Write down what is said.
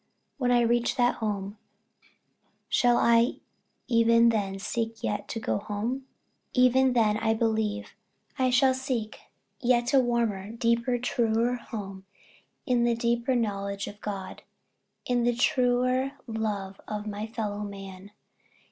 When I reach that home, shall I even then seek yet to go home? Even then, I believe, I shall seek a yet warmer, deeper, truer home in the deeper knowledge of God in the truer love of my fellow man.